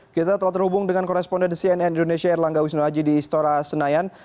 kita telah terhubung dengan koresponden cnn indonesia erlangga wisnuaji di istora senayan